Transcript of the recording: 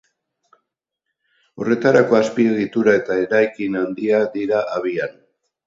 Horretarako azpiegitura eta eraikin handiak dira abian.